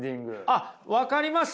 あっ分かります？